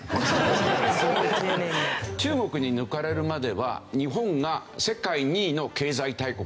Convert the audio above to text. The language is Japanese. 中国に抜かれるまでは日本が世界２位の経済大国だったんです。